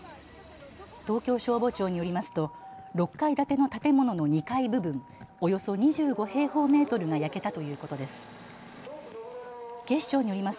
東京消防庁によりますと６階建ての建物の２階部分、およそ２５平方メートルが焼けたということです。